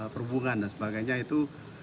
perhubungan dan sebagainya itu